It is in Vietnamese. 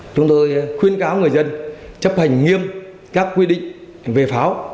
chúng tôi khuyên cáo người dân chấp hành nghiêm các quy định về pháo